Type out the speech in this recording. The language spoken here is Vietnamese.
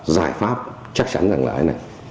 giải pháp chắc chắn là cái này